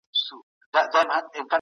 کارپوهان به ګډي ناستي جوړوي.